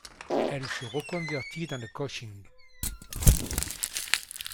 Elle se reconvertit dans le coaching.